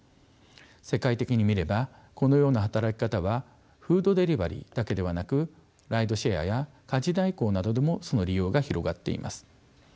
世界的に見ればこのような働き方はフードデリバリーだけではなくライドシェアや家事代行などでもその利用が広がっています。